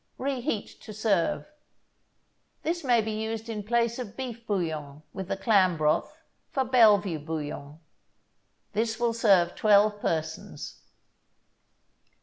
Reheat to serve. This may be used in place of beef bouillon, with the clam broth, for Bellevue bouillon. This will serve twelve persons.